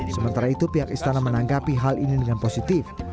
sementara itu pihak istana menanggapi hal ini dengan positif